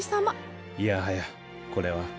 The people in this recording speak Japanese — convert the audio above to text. いやはやこれは。